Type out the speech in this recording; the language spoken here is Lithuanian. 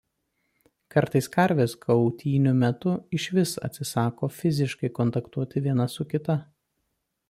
Kartais karvės kautynių metu išvis atsisako fiziškai kontaktuoti viena su kita.